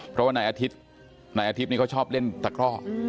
เพราะว่านายอธิบนี่เขาชอบเล่นตะกร้อ